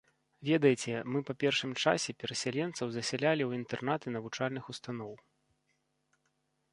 Ведаеце, мы па першым часе перасяленцаў засялялі ў інтэрнаты навучальных устаноў.